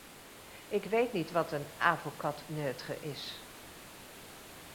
Ik weet niet wat een "avocat neutre" is.